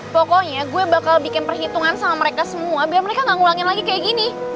pokoknya gue bakal bikin perhitungan sama mereka semua biar mereka gak ngulangin lagi kayak gini